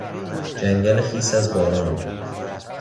جنگل خیس از باران